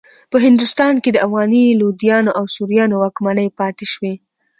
په هندوستان کې د افغاني لودیانو او سوریانو واکمنۍ پاتې شوې.